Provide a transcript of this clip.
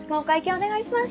お願いします。